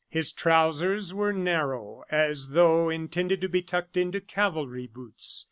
His trousers were narrow, as though intended to be tucked into cavalry boots.